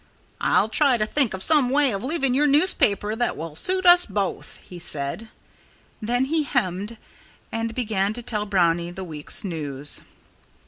"I'll try to think of some way of leaving your newspaper that will suit us both," he said. Then he hemmed and began to tell Brownie the week's news.